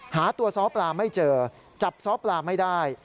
หาตัวซ้อปลาไม่เจอจับซ้อปลาไม่ได้